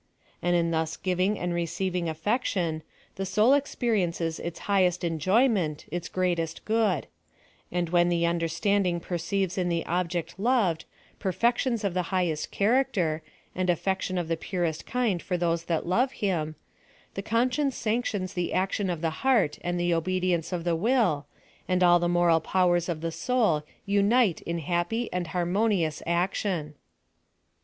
And in thus giving and receiving affection, the soul experiences its highest enjoyment, its greatest good ; and when the understanding perceives in the object loved, perfections of the highest character, and af fection of the purest kind for those that love him, the conscience sanctions the action of the heart and the obedience of the v/i!!, and all the moral powers of the soul unite in happy and harmonious ac tion.